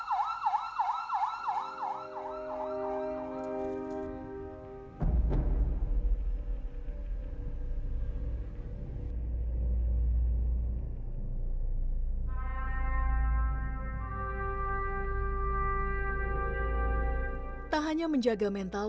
tidak hanya menjaga mental